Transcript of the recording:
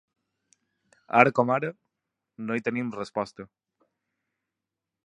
Ara com ara, no hi tenim resposta.